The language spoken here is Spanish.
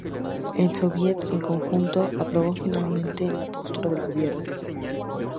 El Sóviet en conjunto aprobó finalmente la postura del Gobierno.